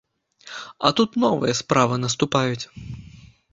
А тут новыя справы наступаюць.